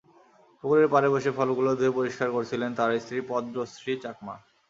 পুকুরের পাড়ে বসে ফলগুলো ধুয়ে পরিষ্কার করছিলেন তাঁর স্ত্রী পদ্মশ্রী চাকমা।